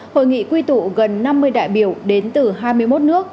hội nghị quy tụ gần năm mươi đại biểu đến từ hai mươi một nước